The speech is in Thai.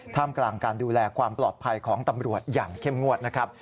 มกลางการดูแลความปลอดภัยของตำรวจอย่างเข้มงวดนะครับ